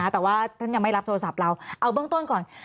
ถ้าว่ายังไม่รับโทรศัพท์เราเอาในต้นก่อน